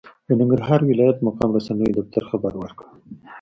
د ننګرهار ولايت مقام رسنیو دفتر خبر ورکړ،